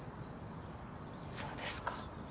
そうですか。